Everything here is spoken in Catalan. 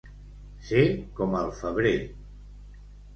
Ser com el febrer.